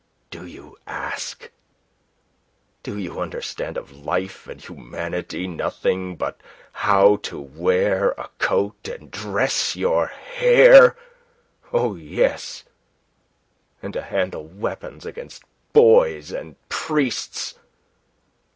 "Do you ask? Do you understand of life and humanity nothing but how to wear a coat and dress your hair oh, yes, and to handle weapons against boys and priests?